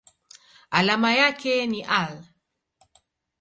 Alama yake ni Al.